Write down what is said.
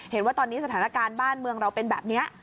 เห็นว่าตอนนี้สถานการณ์บ้านเมืองเราเป็นแบบนี้